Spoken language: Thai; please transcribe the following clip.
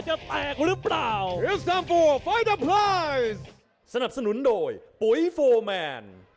จิบลำตัวไล่แขนเสียบใน